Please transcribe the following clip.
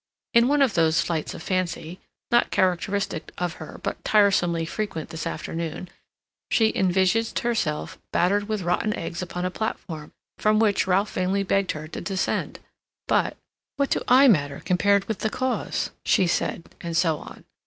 In one of those flights of fancy, not characteristic of her but tiresomely frequent this afternoon, she envisaged herself battered with rotten eggs upon a platform, from which Ralph vainly begged her to descend. But— "What do I matter compared with the cause?" she said, and so on.